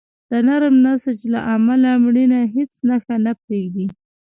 د نرم نسج له امله مړینه هیڅ نښه نه پرېږدي.